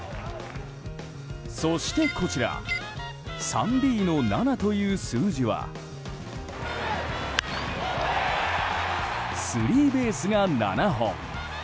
そして、こちら３Ｂの７という数字はスリーベースが７本。